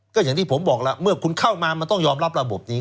ก็อย่างที่ผมบอกแล้วเมื่อคุณเข้ามามันต้องยอมรับระบบนี้